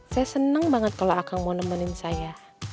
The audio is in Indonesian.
saya seneng banget kalau akang mau nemenin saya